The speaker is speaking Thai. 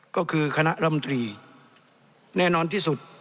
ก็คือคณะรำตรีแน่นอนที่สุด